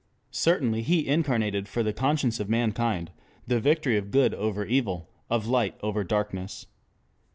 Certainly he incarnated for the conscience of mankind the victory of good over evil, of light over darkness.